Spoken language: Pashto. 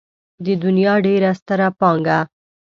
د دنيا ډېره ستره پانګه.